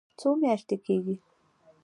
څو میاشتې کیږي؟